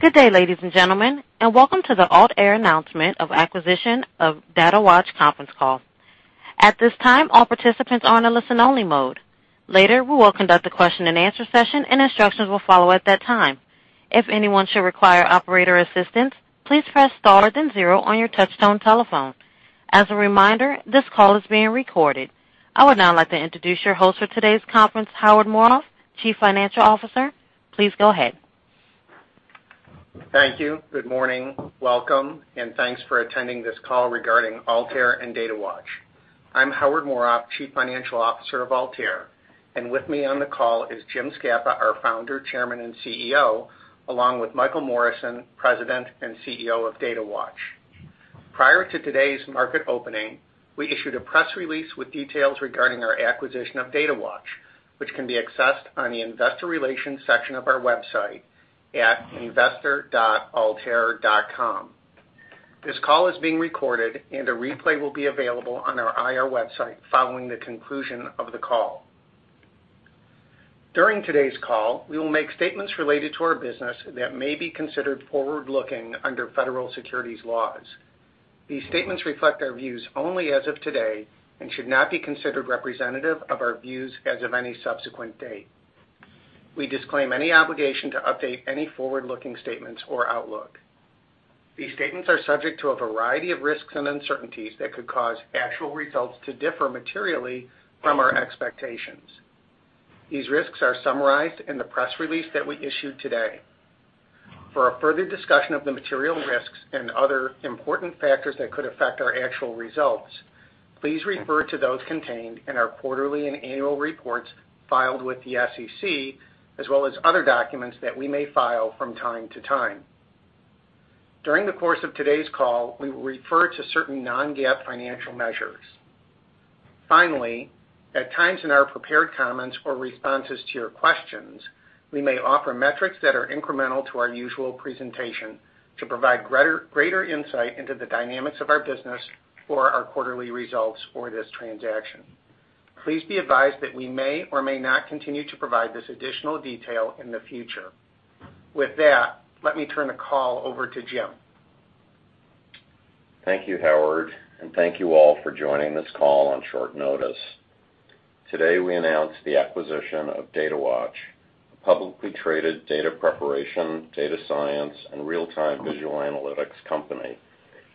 Good day, ladies and gentlemen, welcome to the Altair announcement of acquisition of Datawatch conference call. At this time, all participants are in listen only mode. Later, we will conduct a question and answer session and instructions will follow at that time. If anyone should require operator assistance, please press star then zero on your touchtone telephone. As a reminder, this call is being recorded. I would now like to introduce your host for today's conference, Howard Morof, Chief Financial Officer. Please go ahead. Thank you. Good morning, welcome, and thanks for attending this call regarding Altair and Datawatch. I'm Howard Morof, Chief Financial Officer of Altair, and with me on the call is James Scapa, our Founder, Chairman, and CEO, along with Michael Morrison, President and CEO of Datawatch. Prior to today's market opening, we issued a press release with details regarding our acquisition of Datawatch, which can be accessed on the investor relations section of our website at investor.altair.com. This call is being recorded and a replay will be available on our IR website following the conclusion of the call. During today's call, we will make statements related to our business that may be considered forward-looking under Federal Securities laws. These statements reflect our views only as of today and should not be considered representative of our views as of any subsequent date. We disclaim any obligation to update any forward-looking statements or outlook. These statements are subject to a variety of risks and uncertainties that could cause actual results to differ materially from our expectations. These risks are summarized in the press release that we issued today. For a further discussion of the material risks and other important factors that could affect our actual results, please refer to those contained in our quarterly and annual reports filed with the SEC, as well as other documents that we may file from time to time. During the course of today's call, we will refer to certain non-GAAP financial measures. Finally, at times in our prepared comments or responses to your questions, we may offer metrics that are incremental to our usual presentation to provide greater insight into the dynamics of our business or our quarterly results for this transaction. Please be advised that we may or may not continue to provide this additional detail in the future. With that, let me turn the call over to Jim. Thank you, Howard, and thank you all for joining this call on short notice. Today, we announce the acquisition of Datawatch, a publicly traded data preparation, data science, and real-time visual analytics company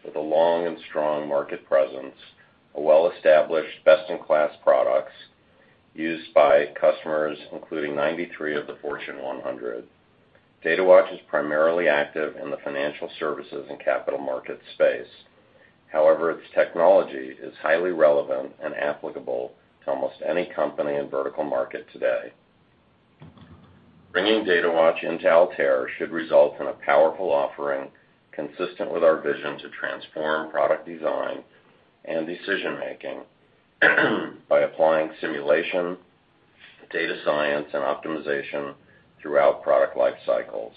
with a long and strong market presence, a well-established best-in-class products used by customers, including 93 of the Fortune 100. Datawatch is primarily active in the financial services and capital markets space. However, its technology is highly relevant and applicable to almost any company and vertical market today. Bringing Datawatch into Altair should result in a powerful offering consistent with our vision to transform product design and decision-making by applying simulation, data science, and optimization throughout product life cycles.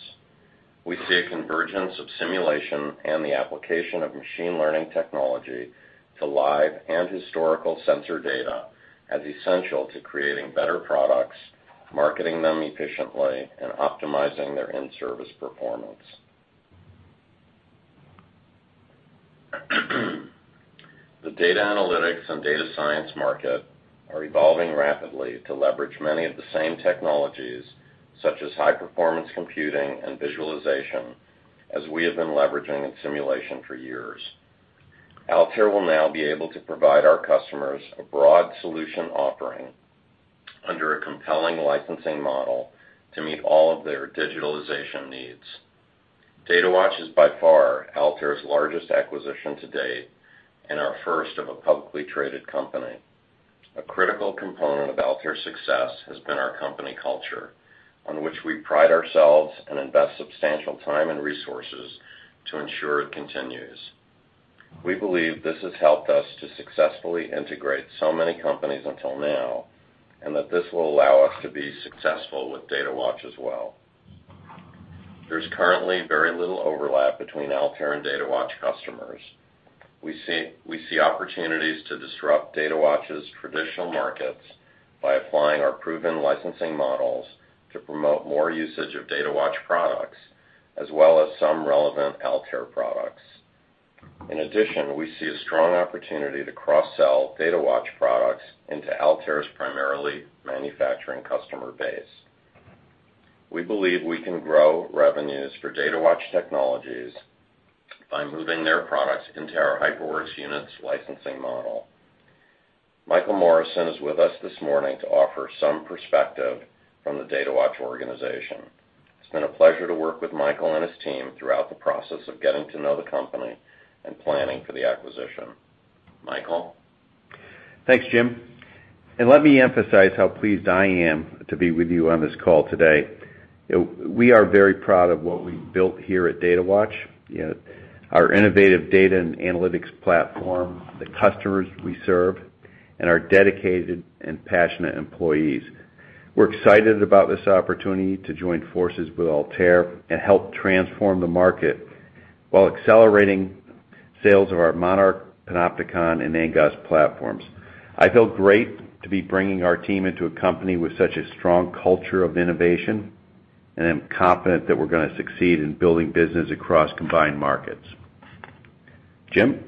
We see a convergence of simulation and the application of machine learning technology to live and historical sensor data as essential to creating better products, marketing them efficiently, and optimizing their in-service performance. The data analytics and data science market are evolving rapidly to leverage many of the same technologies, such as high-performance computing and visualization, as we have been leveraging in simulation for years. Altair will now be able to provide our customers a broad solution offering under a compelling licensing model to meet all of their digitalization needs. Datawatch is by far Altair's largest acquisition to date and our first of a publicly traded company. A critical component of Altair's success has been our company culture, on which we pride ourselves and invest substantial time and resources to ensure it continues. We believe this has helped us to successfully integrate so many companies until now. That this will allow us to be successful with Datawatch as well. There's currently very little overlap between Altair and Datawatch customers. We see opportunities to disrupt Datawatch's traditional markets by applying our proven licensing models to promote more usage of Datawatch products, as well as some relevant Altair products. In addition, we see a strong opportunity to cross-sell Datawatch products into Altair's primarily manufacturing customer base. We believe we can grow revenues for Datawatch Technologies by moving their products into our HyperWorks units licensing model. Michael Morrison is with us this morning to offer some perspective from the Datawatch organization. It's been a pleasure to work with Michael and his team throughout the process of getting to know the company and planning for the acquisition. Michael? Thanks, Jim. Let me emphasize how pleased I am to be with you on this call today. We are very proud of what we've built here at Datawatch. Our innovative data and analytics platform, the customers we serve, and our dedicated and passionate employees. We're excited about this opportunity to join forces with Altair and help transform the market while accelerating sales of our Monarch, Panopticon, and Angoss platforms. I feel great to be bringing our team into a company with such a strong culture of innovation. I'm confident that we're going to succeed in building business across combined markets. Jim?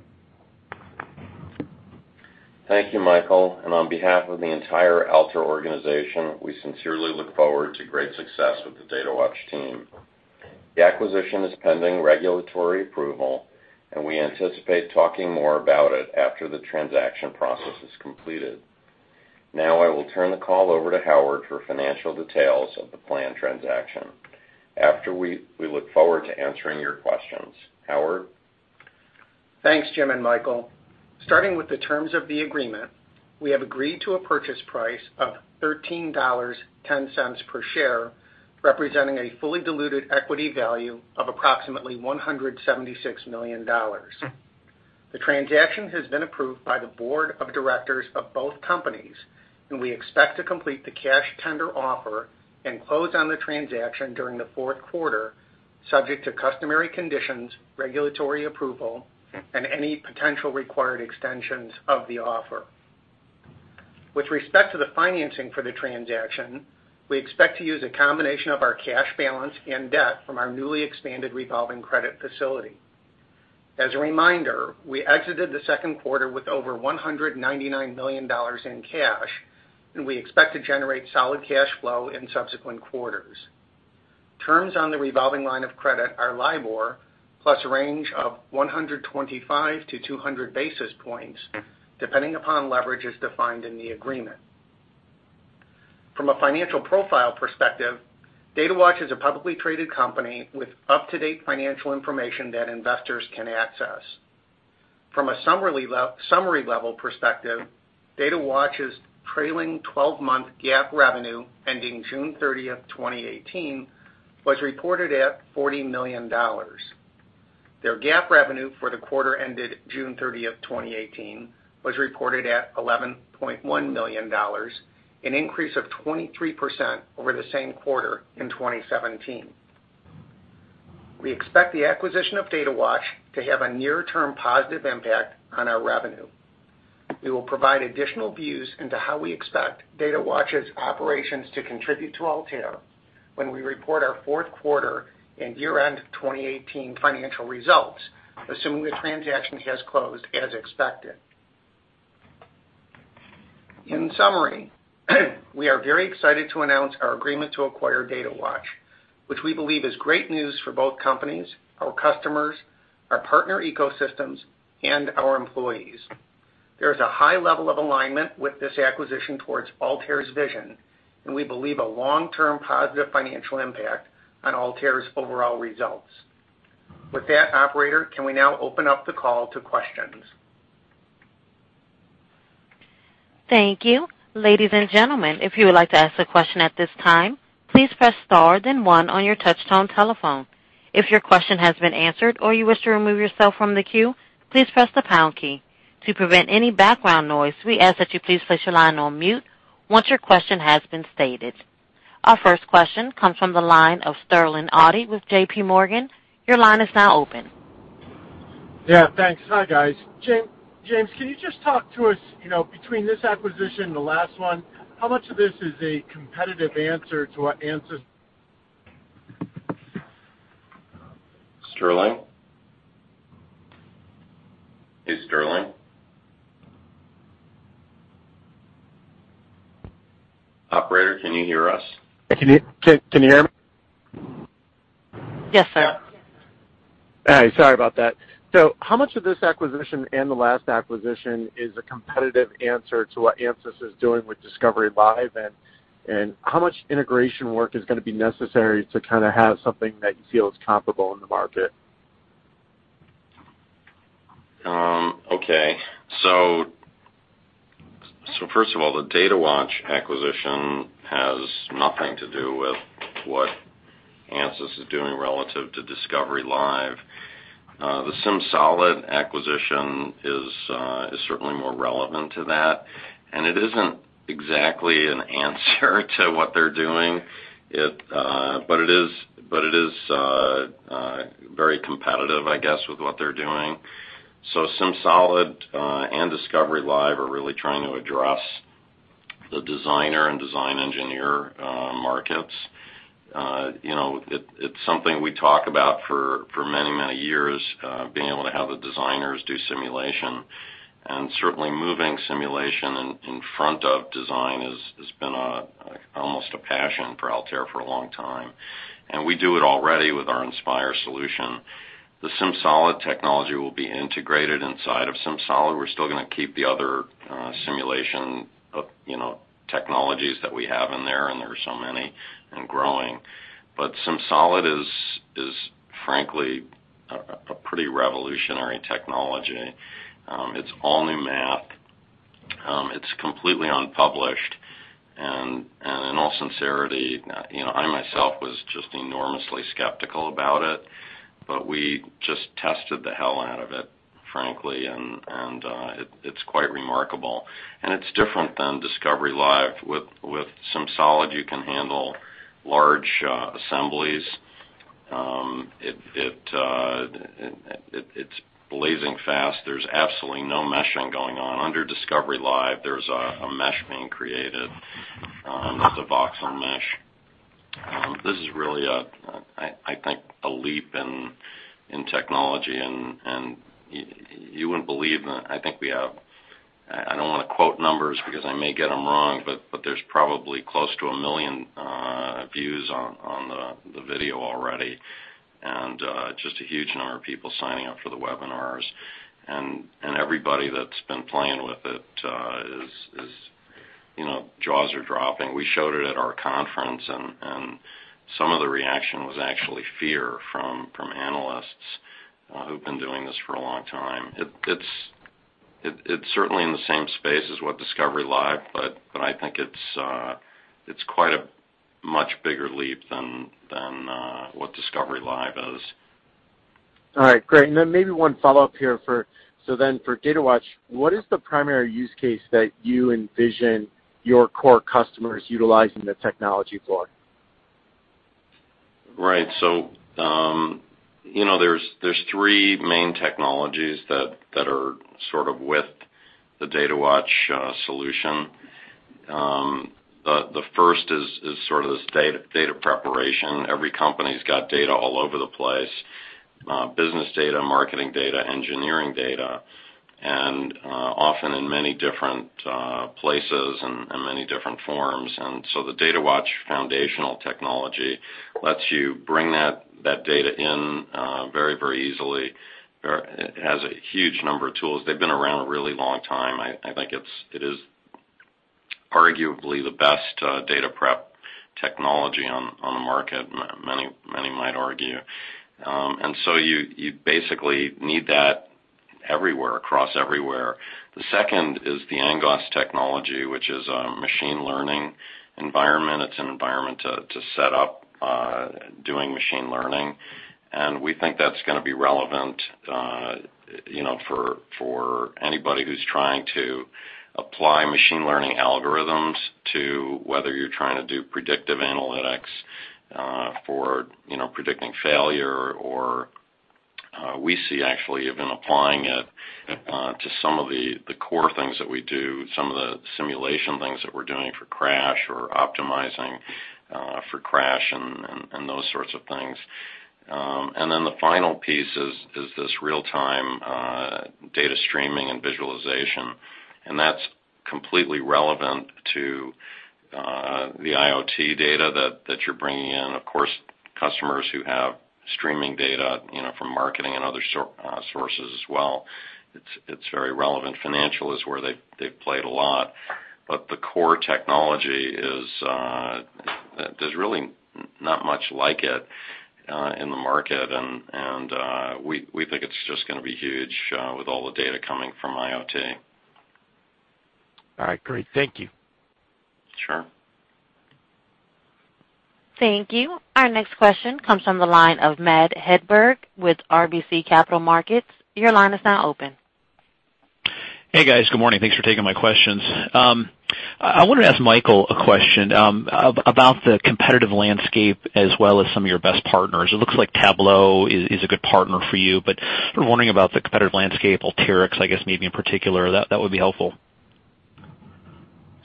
Thank you, Michael. On behalf of the entire Altair organization, we sincerely look forward to great success with the Datawatch team. The acquisition is pending regulatory approval, and we anticipate talking more about it after the transaction process is completed. Now I will turn the call over to Howard for financial details of the planned transaction. After, we look forward to answering your questions. Howard? Thanks, Jim and Michael. Starting with the terms of the agreement, we have agreed to a purchase price of $13.10 per share, representing a fully diluted equity value of approximately $176 million. The transaction has been approved by the board of directors of both companies, we expect to complete the cash tender offer and close on the transaction during the fourth quarter, subject to customary conditions, regulatory approval, and any potential required extensions of the offer. With respect to the financing for the transaction, we expect to use a combination of our cash balance and debt from our newly expanded revolving credit facility. As a reminder, we exited the second quarter with over $199 million in cash, we expect to generate solid cash flow in subsequent quarters. Terms on the revolving line of credit are LIBOR plus a range of 125 to 200 basis points, depending upon leverage as defined in the agreement. From a financial profile perspective, Datawatch is a publicly traded company with up-to-date financial information that investors can access. From a summary-level perspective, Datawatch's trailing 12-month GAAP revenue ending June 30, 2018, was reported at $40 million. Their GAAP revenue for the quarter ended June 30, 2018, was reported at $11.1 million, an increase of 23% over the same quarter in 2017. We expect the acquisition of Datawatch to have a near-term positive impact on our revenue. We will provide additional views into how we expect Datawatch's operations to contribute to Altair when we report our fourth quarter and year-end 2018 financial results, assuming the transaction has closed as expected. In summary, we are very excited to announce our agreement to acquire Datawatch, which we believe is great news for both companies, our customers, our partner ecosystems, and our employees. There is a high level of alignment with this acquisition towards Altair's vision, we believe a long-term positive financial impact on Altair's overall results. With that, operator, can we now open up the call to questions? Thank you. Ladies and gentlemen, if you would like to ask a question at this time, please press star then one on your touch-tone telephone. If your question has been answered or you wish to remove yourself from the queue, please press the pound key. To prevent any background noise, we ask that you please place your line on mute once your question has been stated. Our first question comes from the line of Sterling Auty with JPMorgan. Your line is now open. Yeah, thanks. Hi, guys. James, can you just talk to us, between this acquisition and the last one, how much of this is a competitive answer to what Ansys- Sterling? Is Sterling? Operator, can you hear us? Can you hear me? Yes, sir. All right. Sorry about that. How much of this acquisition and the last acquisition is a competitive answer to what Ansys is doing with Discovery Live? How much integration work is going to be necessary to kind of have something that you feel is comparable in the market? Okay. First of all, the Datawatch acquisition has nothing to do with what Ansys is doing relative to Discovery Live. The SimSolid acquisition is certainly more relevant to that, it isn't exactly an answer to what they're doing. It is very competitive, I guess, with what they're doing. SimSolid and Discovery Live are really trying to address the designer and design engineer markets. It's something we talk about for many years, being able to have the designers do simulation. Certainly moving simulation in front of design has been almost a passion for Altair for a long time. We do it already with our Inspire solution. The SimSolid technology will be integrated inside of SimSolid. We're still going to keep the other simulation technologies that we have in there are so many and growing. SimSolid is frankly a pretty revolutionary technology. It's all new math. It's completely unpublished in all sincerity, I myself was just enormously skeptical about it, we just tested the hell out of it, frankly, it's quite remarkable. It's different than Discovery Live. With SimSolid, you can handle large assemblies. It's blazing fast. There's absolutely no meshing going on. Under Discovery Live, there's a mesh being created, it's a voxel mesh. This is really, I think, a leap in technology. I don't want to quote numbers because I may get them wrong, but there's probably close to a million views on the video already. Just a huge number of people signing up for the webinars. Everybody that's been playing with it, jaws are dropping. We showed it at our conference, some of the reaction was actually fear from analysts who've been doing this for a long time. It's certainly in the same space as what Discovery Live, I think it's quite a much bigger leap than what Discovery Live is. All right, great. Maybe one follow-up here. For Datawatch, what is the primary use case that you envision your core customers utilizing the technology for? Right. There's three main technologies that are sort of with the Datawatch solution. The first is sort of this data preparation. Every company's got data all over the place. Business data, marketing data, engineering data, often in many different places and many different forms. The Datawatch foundational technology lets you bring that data in very easily. It has a huge number of tools. They've been around a really long time. I think it is arguably the best data prep technology on the market, many might argue. You basically need that everywhere, across everywhere. The second is the Angoss technology, which is a machine learning environment. It's an environment to set up doing machine learning. We think that's going to be relevant for anybody who's trying to apply machine learning algorithms to whether you're trying to do predictive analytics for predicting failure. We see actually have been applying it to some of the core things that we do, some of the simulation things that we're doing for crash or optimizing for crash and those sorts of things. The final piece is this real-time data streaming and visualization. That's completely relevant to the IoT data that you're bringing in. Of course, customers who have streaming data from marketing and other sources as well. It's very relevant. Financial is where they've played a lot. The core technology, there's really not much like it in the market. We think it's just going to be huge with all the data coming from IoT. All right, great. Thank you. Sure. Thank you. Our next question comes from the line of Matthew Hedberg with RBC Capital Markets. Your line is now open. Hey, guys. Good morning. Thanks for taking my questions. I wanted to ask Michael a question about the competitive landscape as well as some of your best partners. It looks like Tableau is a good partner for you. Sort of wondering about the competitive landscape, Alteryx, I guess, maybe in particular. That would be helpful.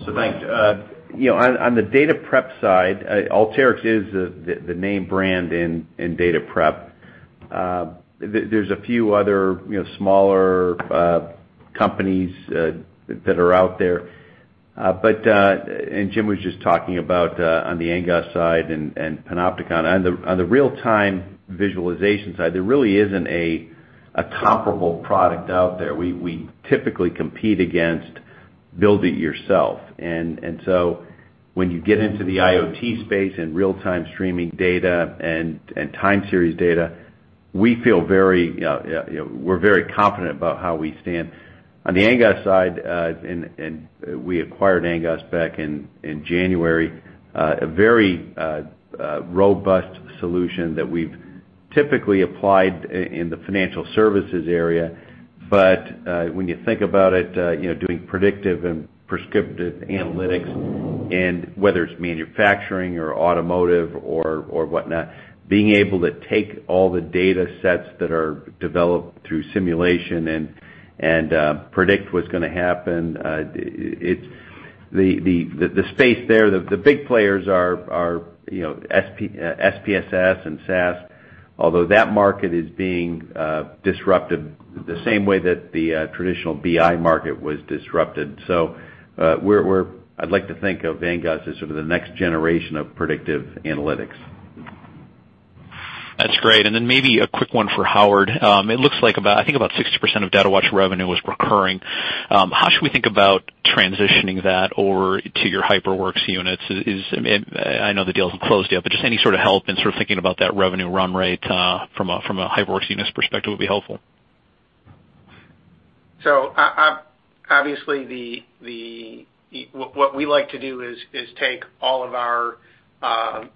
Thanks. On the data prep side, Alteryx is the name brand in data prep. There's a few other smaller companies that are out there. Jim was just talking about on the Angoss side and Panopticon. On the real-time visualization side, there really isn't a comparable product out there. We typically compete against build-it-yourself. When you get into the IoT space and real-time streaming data and time series data, we're very confident about how we stand. On the Angoss side, we acquired Angoss back in January, a very robust solution that we've typically applied in the financial services area. When you think about it, doing predictive and prescriptive analytics, and whether it's manufacturing or automotive or whatnot, being able to take all the data sets that are developed through simulation and predict what's going to happen, the space there, the big players are SPSS and SAS, although that market is being disrupted the same way that the traditional BI market was disrupted. I'd like to think of Angoss as sort of the next generation of predictive analytics. That's great. Maybe a quick one for Howard. It looks like about 60% of Datawatch revenue was recurring. How should we think about transitioning that over to your Altair Units? I know the deal isn't closed yet, any sort of help in sort of thinking about that revenue run rate from an Altair Units perspective would be helpful. Obviously, what we like to do is take all of our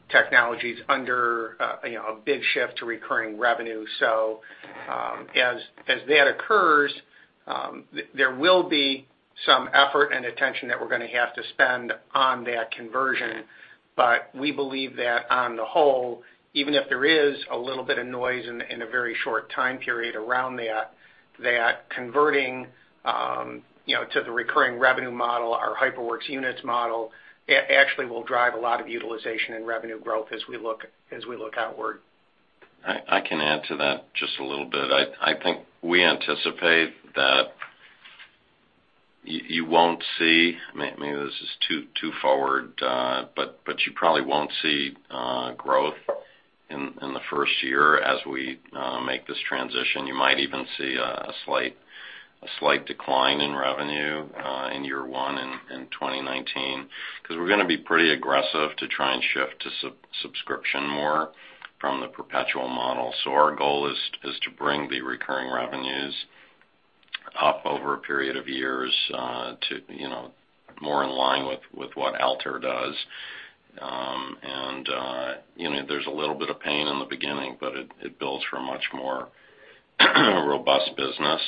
technologies under a big shift to recurring revenue. There will be some effort and attention that we're going to have to spend on that conversion. We believe that on the whole, even if there is a little bit of noise in a very short time period around that converting to the recurring revenue model, our HyperWorks Units model, actually will drive a lot of utilization and revenue growth as we look outward. I can add to that just a little bit. We anticipate that you won't see, maybe this is too forward, you probably won't see growth in the first year as we make this transition. You might even see a slight decline in revenue in year 1, in 2019, because we're going to be pretty aggressive to try and shift to subscription more from the perpetual model. Our goal is to bring the recurring revenues up over a period of years to more in line with what Altair does. There's a little bit of pain in the beginning, it builds for a much more robust business.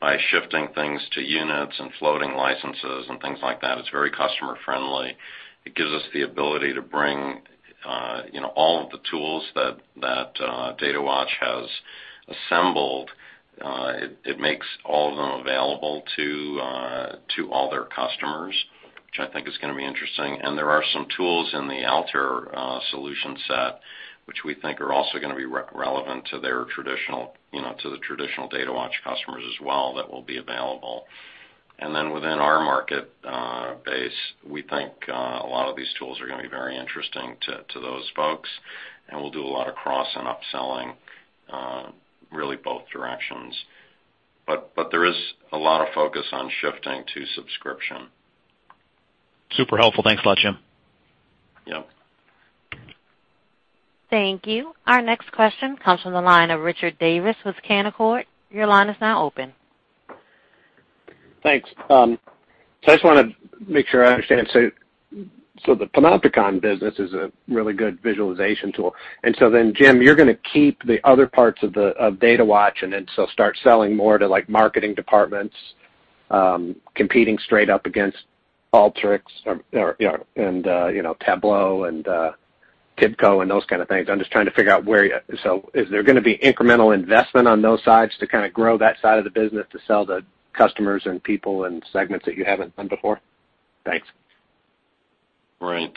By shifting things to units and floating licenses and things like that, it's very customer friendly. It gives us the ability to bring all of the tools that Datawatch has assembled. It makes all of them available to all their customers, which I think is going to be interesting. There are some tools in the Altair solution set which we think are also going to be relevant to the traditional Datawatch customers as well that will be available. Within our market base, we think a lot of these tools are going to be very interesting to those folks, and we'll do a lot of cross and upselling really both directions. There is a lot of focus on shifting to subscription. Super helpful. Thanks a lot, Jim. Yep. Thank you. Our next question comes from the line of Richard Davis with Canaccord. Your line is now open. Thanks. I just want to make sure I understand. The Panopticon business is a really good visualization tool. Jim, you're going to keep the other parts of Datawatch and then start selling more to marketing departments competing straight up against Alteryx and Tableau and TIBCO and those kind of things. I'm just trying to figure out, is there going to be incremental investment on those sides to kind of grow that side of the business to sell to customers and people and segments that you haven't done before? Thanks. Right.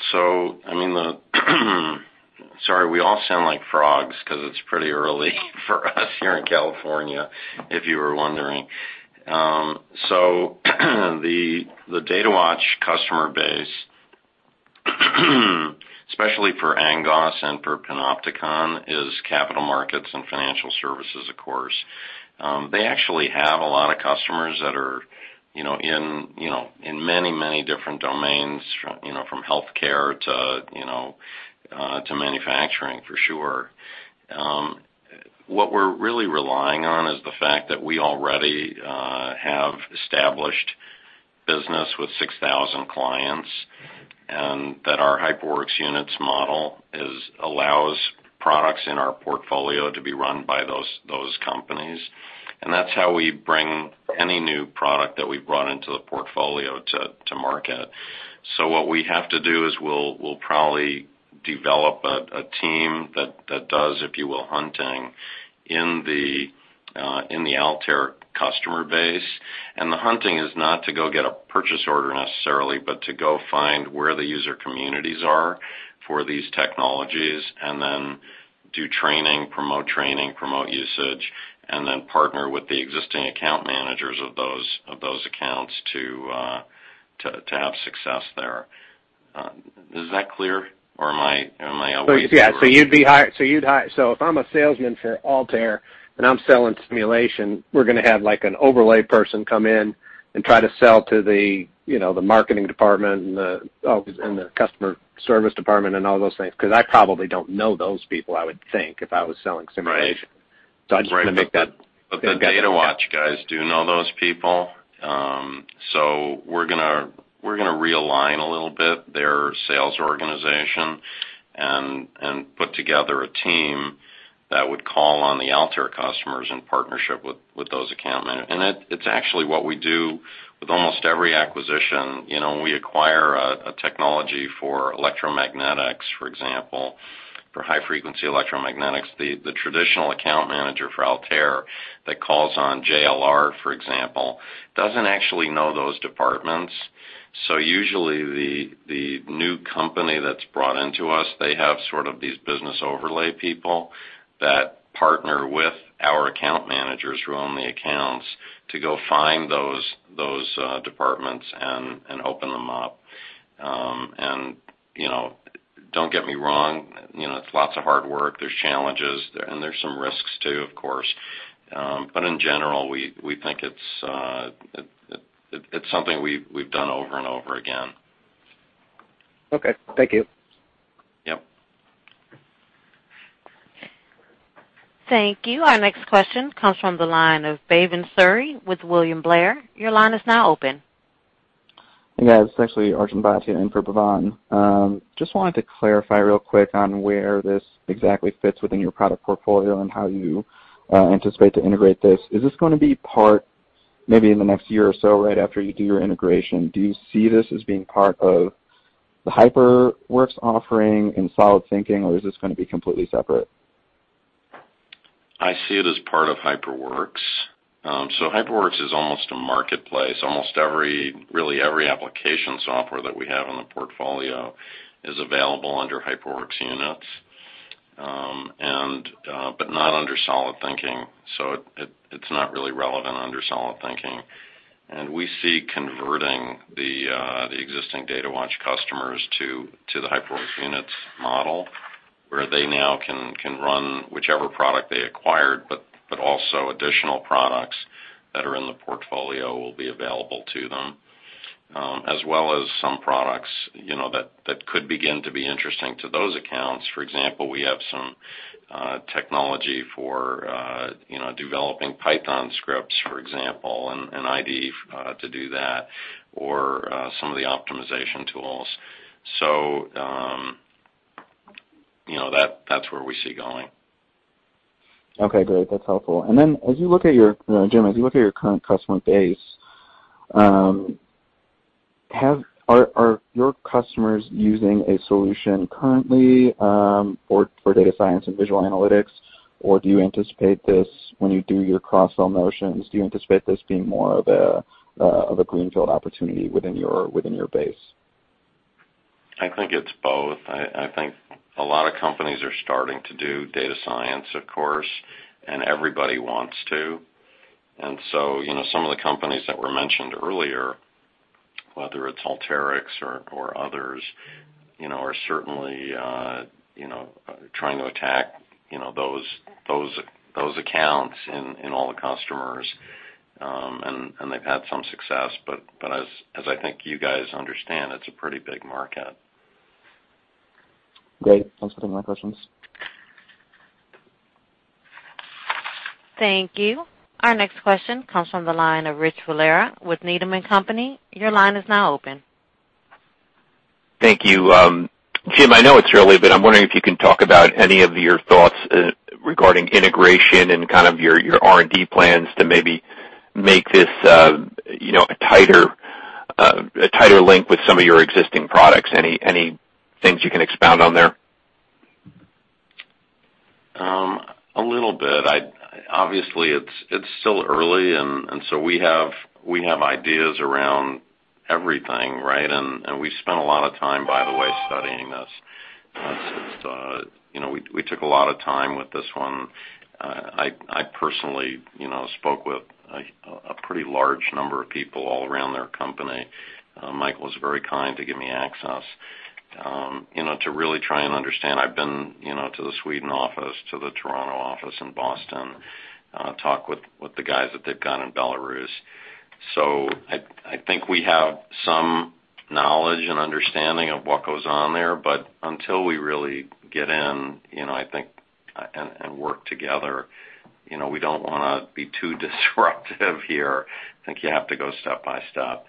Sorry, we all sound like frogs because it's pretty early for us here in California, if you were wondering. The Datawatch customer base, especially for Angoss and for Panopticon, is capital markets and financial services, of course. They actually have a lot of customers that are in many different domains from healthcare to manufacturing, for sure. What we're really relying on is the fact that we already have established business with 6,000 clients, and that our Altair Units model allows products in our portfolio to be run by those companies. That's how we bring any new product that we've brought into the portfolio to market. What we have to do is we'll probably develop a team that does, if you will, hunting in the Altair customer base. The hunting is not to go get a purchase order necessarily, but to go find where the user communities are for these technologies and then do training, promote training, promote usage, and then partner with the existing account managers of those accounts to have success there. Is that clear, or am I away from- Yeah. If I'm a salesman for Altair and I'm selling simulation, we're going to have, like, an overlay person come in and try to sell to the marketing department and the customer service department and all those things, because I probably don't know those people, I would think, if I was selling simulation. Right. I'm just trying to make that- The Datawatch guys do know those people. We're going to realign a little bit their sales organization and put together a team that would call on the Altair customers in partnership with those account managers. It's actually what we do with almost every acquisition. We acquire a technology for electromagnetics, for example, for high-frequency electromagnetics. The traditional account manager for Altair that calls on JLR, for example, doesn't actually know those departments. Usually the new company that's brought into us, they have sort of these business overlay people that partner with our account managers who own the accounts to go find those departments and open them up. Don't get me wrong, it's lots of hard work. There's challenges, and there's some risks too, of course. In general, we think it's something we've done over and over again. Okay. Thank you. Yep. Thank you. Our next question comes from the line of Bhavan Suri with William Blair. Your line is now open. Hey guys, this is actually Arjun Bhatia in for Bhavan. Wanted to clarify real quick on where this exactly fits within your product portfolio and how you anticipate to integrate this. Is this going to be part, maybe in the next year or so, right after you do your integration, do you see this as being part of the HyperWorks offering and solidThinking, or is this going to be completely separate? I see it as part of HyperWorks. HyperWorks is almost a marketplace. Almost every application software that we have in the portfolio is available under Altair Units, but not under solidThinking. It's not really relevant under solidThinking. We see converting the existing Datawatch customers to the Altair Units model, where they now can run whichever product they acquired, but also additional products that are in the portfolio will be available to them, as well as some products that could begin to be interesting to those accounts. For example, we have some technology for developing Python scripts, for example, and ID to do that, or some of the optimization tools. That's where we see it going. Okay, great. That's helpful. Jim, as you look at your current customer base, are your customers using a solution currently, for data science and visual analytics, or do you anticipate this when you do your cross-sell motions? Do you anticipate this being more of a greenfield opportunity within your base? I think it's both. I think a lot of companies are starting to do data science, of course, and everybody wants to. Some of the companies that were mentioned earlier, whether it's Alteryx or others, are certainly trying to attack those accounts in all the customers, and they've had some success. As I think you guys understand, it's a pretty big market. Great. Thanks for the questions. Thank you. Our next question comes from the line of Richard Valera with Needham & Company. Your line is now open. Thank you. Jim, I'm wondering if you can talk about any of your thoughts regarding integration and kind of your R&D plans to maybe make this a tighter link with some of your existing products. Any things you can expound on there? A little bit. Obviously, it's still early. We have ideas around everything, right? We spent a lot of time, by the way, studying this. We took a lot of time with this one. I personally spoke with a pretty large number of people all around their company. Michael was very kind to give me access to really try and understand. I've been to the Sweden office, to the Toronto office, and Boston, talked with the guys that they've got in Belarus. I think we have some knowledge and understanding of what goes on there, until we really get in, I think, and work together, we don't want to be too disruptive here. I think you have to go step by step.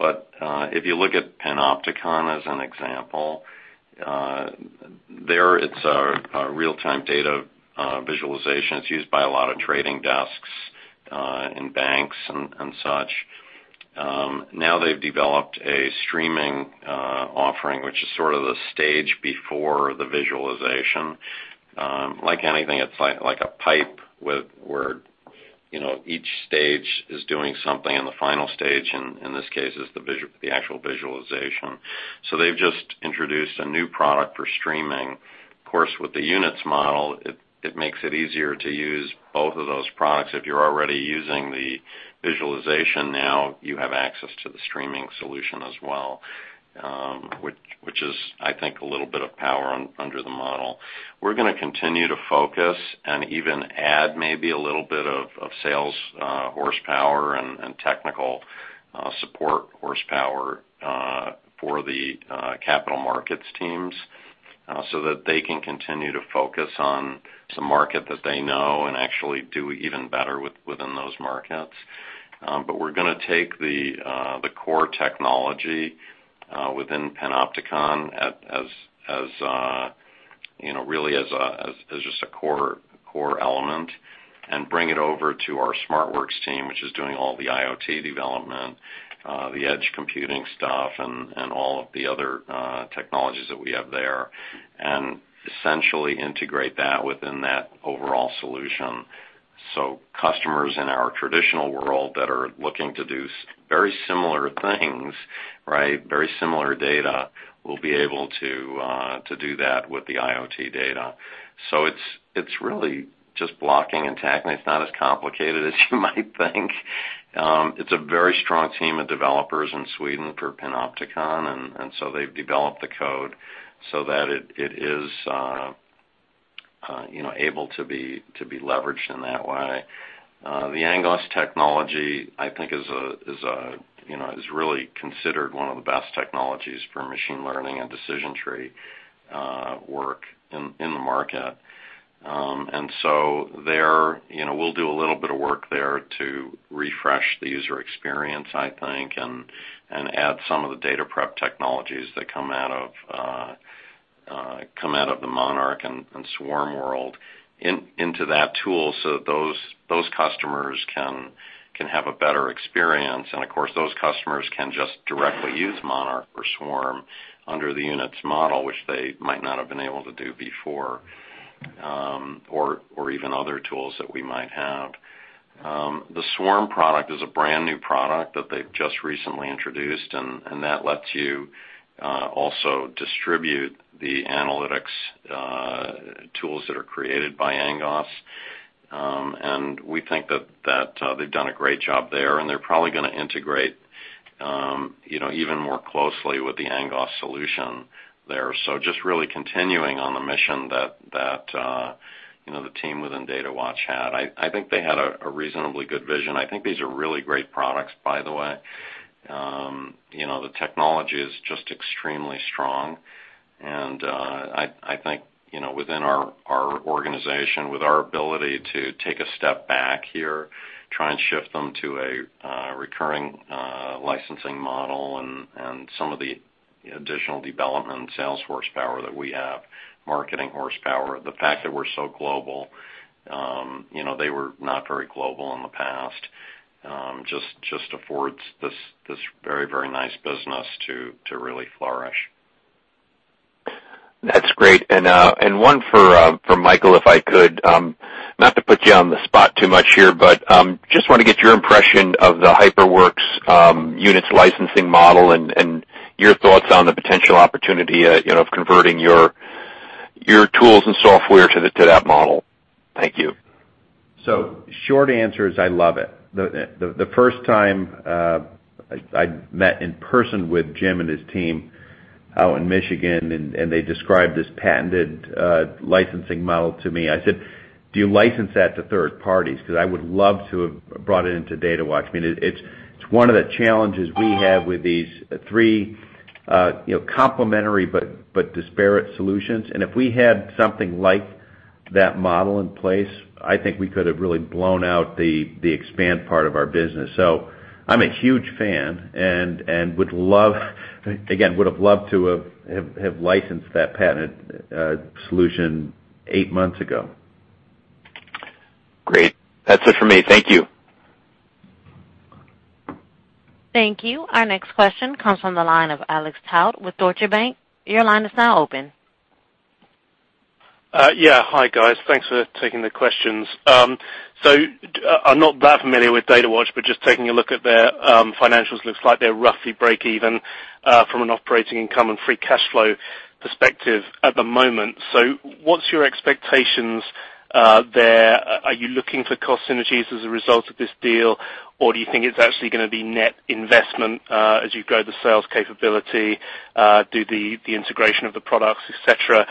If you look at Panopticon as an example, there it's a real-time data visualization. It's used by a lot of trading desks in banks and such. Now they've developed a streaming offering, which is sort of the stage before the visualization. Like anything, it's like a pipe where each stage is doing something, and the final stage, in this case, is the actual visualization. They've just introduced a new product for streaming. Of course, with the Altair Units model, it makes it easier to use both of those products. If you're already using the visualization now, you have access to the streaming solution as well, which is, I think, a little bit of power under the model. We're going to continue to focus and even add maybe a little bit of sales horsepower and technical support horsepower for the capital markets teams so that they can continue to focus on some market that they know and actually do even better within those markets. We're going to take the core technology within Panopticon really as just a core element and bring it over to our SmartWorks team, which is doing all the IoT development, the edge computing stuff, and all of the other technologies that we have there, and essentially integrate that within that overall solution. Customers in our traditional world that are looking to do very similar things, very similar data, will be able to do that with the IoT data. It's really just blocking and tackling. It's not as complicated as you might think. It's a very strong team of developers in Sweden for Panopticon, they've developed the code so that it is able to be leveraged in that way. The Angoss technology, I think is really considered one of the best technologies for machine learning and decision tree work in the market. We'll do a little bit of work there to refresh the user experience, I think, and add some of the data prep technologies that come out of the Monarch and Swarm world into that tool so those customers can have a better experience. Of course, those customers can just directly use Monarch or Swarm under the Units model, which they might not have been able to do before, or even other tools that we might have. The Swarm product is a brand-new product that they've just recently introduced, that lets you also distribute the analytics tools that are created by Angoss. We think that they've done a great job there, and they're probably going to integrate even more closely with the Angoss solution there. Just really continuing on the mission that the team within Datawatch had. I think they had a reasonably good vision. I think these are really great products, by the way. The technology is just extremely strong, and I think, within our organization, with our ability to take a step back here, try and shift them to a recurring licensing model and some of the additional development sales horsepower that we have, marketing horsepower, the fact that we're so global, they were not very global in the past, just affords this very nice business to really flourish. That's great. One for Michael, if I could. Not to put you on the spot too much here, but just want to get your impression of the Altair Units licensing model and your thoughts on the potential opportunity of converting your tools and software to that model. Thank you. Short answer is I love it. The first time I met in person with Jim and his team out in Michigan, they described this patented licensing model to me, I said, "Do you license that to third parties? Because I would love to have brought it into Datawatch." It's one of the challenges we have with these three complementary but disparate solutions. If we had something like that model in place, I think we could have really blown out the expand part of our business. I'm a huge fan and again, would have loved to have licensed that patented solution eight months ago. Great. That's it for me. Thank you. Thank you. Our next question comes from the line of Alexander Tout with Deutsche Bank. Your line is now open. Hi, guys. Thanks for taking the questions. I'm not that familiar with Datawatch, but just taking a look at their financials, looks like they're roughly break even from an operating income and free cash flow perspective at the moment. What's your expectations there? Are you looking for cost synergies as a result of this deal, or do you think it's actually going to be net investment as you grow the sales capability, do the integration of the products, et cetera?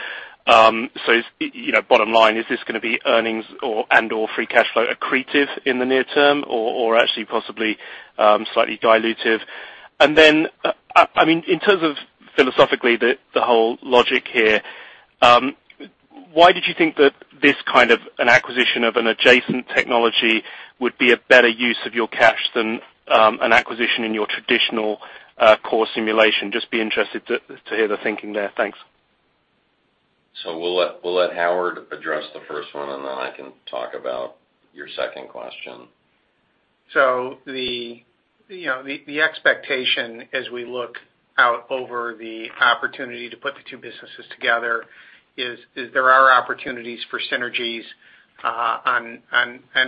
Bottom line, is this going to be earnings and/or free cash flow accretive in the near term, or actually possibly slightly dilutive? And then in terms of philosophically the whole logic here, why did you think that this kind of an acquisition of an adjacent technology would be a better use of your cash than an acquisition in your traditional core simulation? Just be interested to hear the thinking there. Thanks. We'll let Howard address the first one, and then I can talk about your second question. The expectation as we look out over the opportunity to put the two businesses together is there are opportunities for synergies on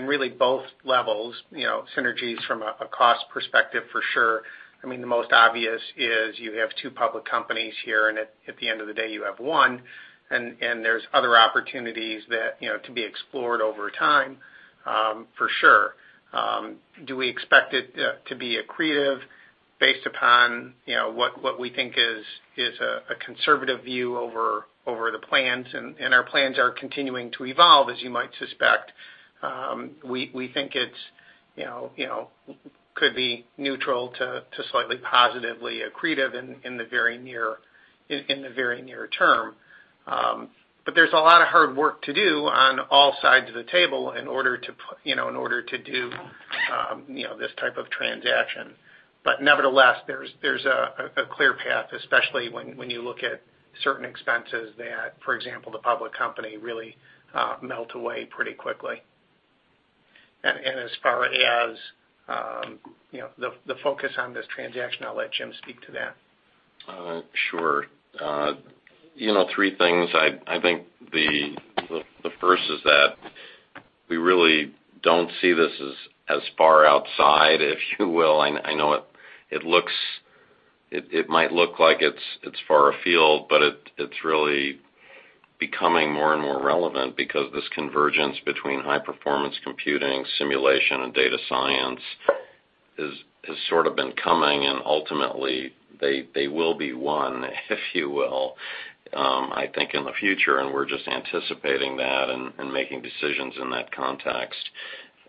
really both levels, synergies from a cost perspective for sure. The most obvious is you have two public companies here, and at the end of the day, you have one. There's other opportunities that can be explored over time for sure. Do we expect it to be accretive based upon what we think is a conservative view over the plans, and our plans are continuing to evolve, as you might suspect. We think it could be neutral to slightly positively accretive in the very near term. There's a lot of hard work to do on all sides of the table in order to do this type of transaction. Nevertheless, there's a clear path, especially when you look at certain expenses that, for example, the public company really melt away pretty quickly. As far as the focus on this transaction, I'll let Jim speak to that. Sure. Three things. I think the first is that we really don't see this as far outside, if you will. I know it might look like it's far afield, but it's really becoming more and more relevant because this convergence between high-performance computing, simulation, and data science has sort of been coming, and ultimately they will be one, if you will, I think in the future. We're just anticipating that and making decisions in that context.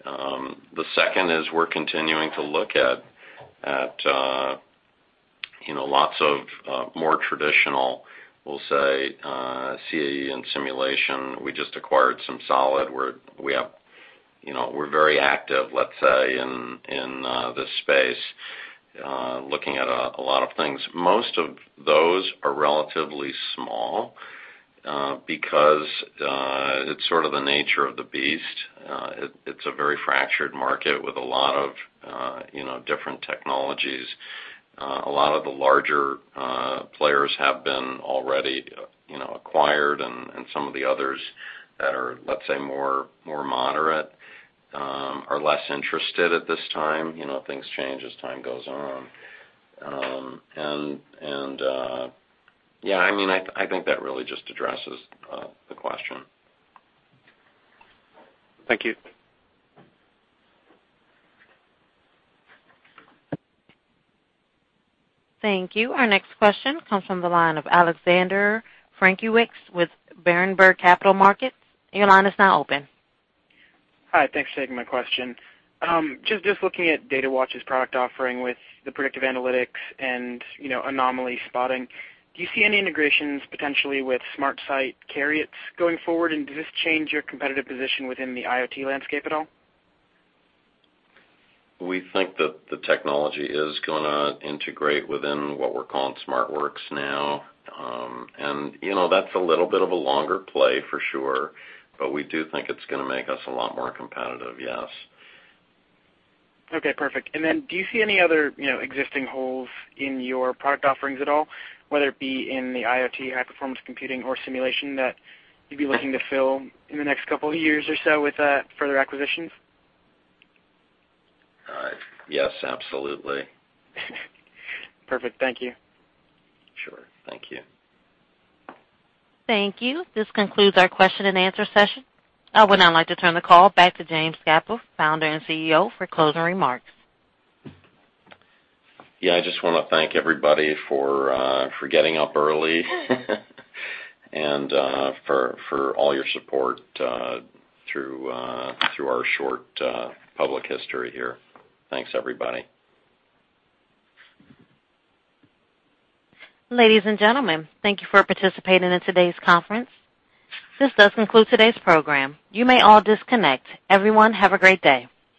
The second is we're continuing to look at lots of more traditional, we'll say, CAE and simulation. We just acquired SimSolid, we're very active, let's say, in this space, looking at a lot of things. Most of those are relatively small because it's sort of the nature of the beast. It's a very fractured market with a lot of different technologies. A lot of the larger players have been already acquired and some of the others that are, let's say, more moderate, are less interested at this time. Things change as time goes on. Yeah, I think that really just addresses the question. Thank you. Thank you. Our next question comes from the line of Alexander Frankiewicz with Berenberg Capital Markets. Your line is now open. Hi, thanks for taking my question. Just looking at Datawatch's product offering with the predictive analytics and anomaly spotting, do you see any integrations potentially with SmartWorks going forward? Does this change your competitive position within the IoT landscape at all? We think that the technology is going to integrate within what we're calling SmartWorks now. That's a little bit of a longer play for sure, we do think it's going to make us a lot more competitive, yes. Okay, perfect. Then do you see any other existing holes in your product offerings at all, whether it be in the IoT, high-performance computing or simulation that you'd be looking to fill in the next couple of years or so with further acquisitions? Yes, absolutely. Perfect. Thank you. Sure. Thank you. Thank you. This concludes our question and answer session. I would now like to turn the call back to James Scapa, Founder and CEO, for closing remarks. I just want to thank everybody for getting up early and for all your support through our short public history here. Thanks, everybody. Ladies and gentlemen, thank you for participating in today's conference. This does conclude today's program. You may all disconnect. Everyone, have a great day.